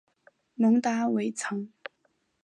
蒙达韦藏。